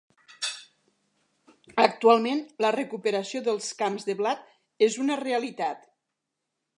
Actualment, la recuperació dels camps de blat és una realitat.